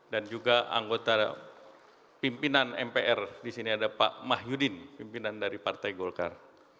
dan juga anggota pimpinan mpr di sini ada pak mah yudin pimpinan dari partai golkar